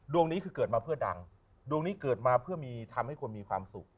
ดวงนี้คือเกิดมาเพื่อดังดวงนี้เกิดมาเพื่อมีทำให้คนมีความสุข